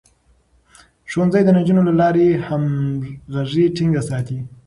ښوونځی د نجونو له لارې همغږي ټينګه ساتي.